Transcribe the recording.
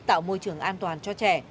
tạo môi trường an toàn cho trẻ